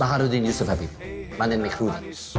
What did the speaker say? baharudin yusuf habib manin mikrul